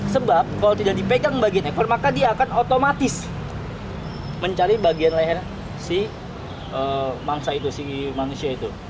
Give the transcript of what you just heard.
sebab kalau tidak dipegang bagian ekor maka dia akan otomatis mencari bagian leher si mangsa itu si manusia itu